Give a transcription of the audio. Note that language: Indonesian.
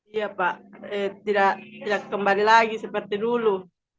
iya pak eh tidak tidak kembali lagi seperti dulu